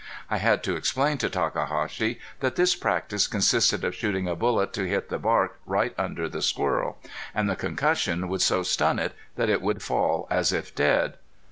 I had to explain to Takahashi that this practice consisted of shooting a bullet to hit the bark right under the squirrel, and the concussion would so stun it that it would fall as if dead.